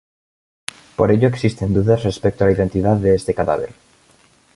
Por ello existen dudas respecto a la identidad de este cadáver.